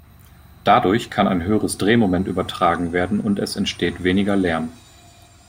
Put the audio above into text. Dadurch kann ein höheres Drehmoment übertragen werden und es entsteht weniger Lärm.